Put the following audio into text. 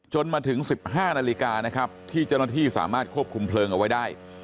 มาถึง๑๕นาฬิกานะครับที่เจ้าหน้าที่สามารถควบคุมเพลิงเอาไว้ได้